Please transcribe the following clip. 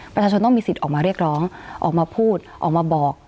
ประชาชนต้องมีสิทธิ์ออกมาเรียกร้องออกมาพูดออกมาบอก